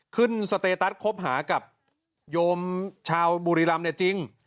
สเตตัสคบหากับโยมชาวบุรีรำเนี่ยจริง